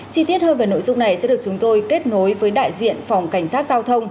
chi tiết hơn về nội dung này sẽ được chúng tôi kết nối với đại diện phòng cảnh sát giao thông